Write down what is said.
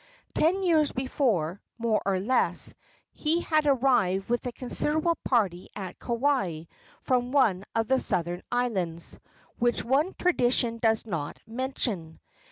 Ten years before, more or less, he had arrived with a considerable party at Kauai from one of the southern islands which one tradition does not mention.